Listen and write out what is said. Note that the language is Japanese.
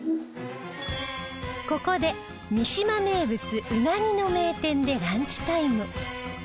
ここで三島名物うなぎの名店でランチタイム